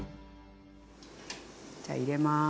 じゃ入れます。